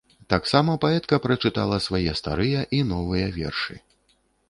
Таксама паэтка прачытала свае старыя і новыя вершы.